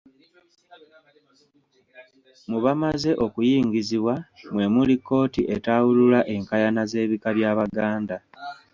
Mu bamaze okuyingizibwa mwe muli Kooti Etawulula Enkaayana z'Ebika By'Abaganda.